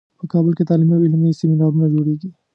په کابل کې تعلیمي او علمي سیمینارونو جوړیږي